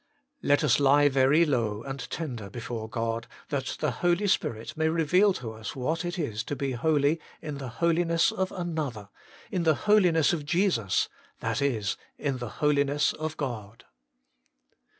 3. Let us lie very low and tender before God, that the Holy Spirit may reueal to us what it is to be holy in the Holiness of Another, In the Holiness of Jesus, that is, in the Holiness of God.